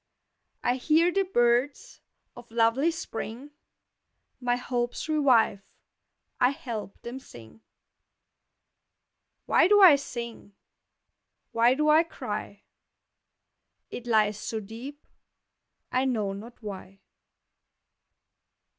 I hear the birds of lovely spring, My hopes revive, I help them sing. Why do I sing? Why do I cry? It lies so deep I know not why.